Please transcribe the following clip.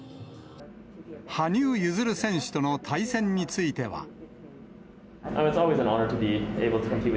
羽生結弦選手との対戦については。